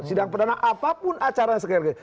sidang perdana apapun acaranya sekalian